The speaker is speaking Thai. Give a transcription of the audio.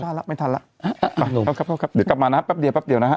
ไม่ทันแล้วไม่ทันแล้วครับครับครับครับเดี๋ยวกลับมานะครับแป๊บเดียวแป๊บเดียวนะฮะ